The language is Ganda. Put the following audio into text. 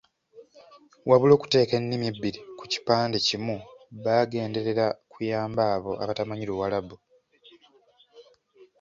Wabula okuteeka ennimi ebbiri ku kipande kimu baagenderera kuyamba abo abatamanyi Luwarabu.